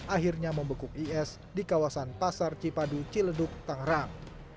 akhirnya membekuk is di kawasan pasar cipadu ciledug tangerang